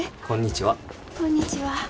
こんにちは。